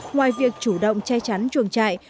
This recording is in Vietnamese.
ngoài việc chủ động che chắn chuồng trại